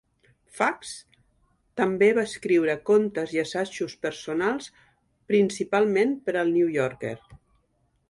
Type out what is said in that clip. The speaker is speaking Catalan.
Fuchs també va escriure contes i assajos personals, principalment per al "New Yorker".